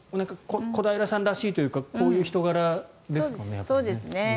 小平さんらしいというかこういう人柄ですもんね。